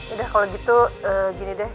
udah kalau gitu gini deh